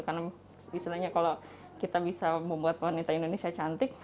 karena istilahnya kalau kita bisa membuat wanita indonesia cantik